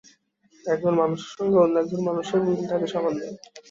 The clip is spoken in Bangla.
একজন মানুষের সঙ্গে অন্য একজন মানুষের মিল থাকে সামান্যই।